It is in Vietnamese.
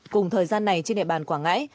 cùng thời gian này trên địa bàn quảng ngãi